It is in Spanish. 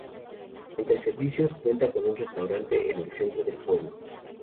Entre servicios, cuenta con un restaurante en el centro del pueblo.